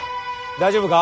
大丈夫か？